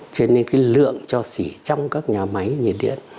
cho nên cái lượng cho xỉ trong các nhà máy nhiệt điện